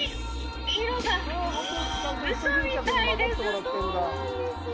色が、うそみたいです。